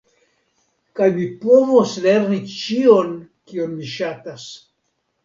Kaj mi povos lerni ĉion, kion mi ŝatas.